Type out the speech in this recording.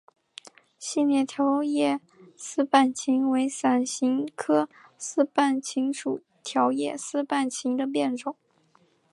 细裂条叶丝瓣芹为伞形科丝瓣芹属条叶丝瓣芹的变种。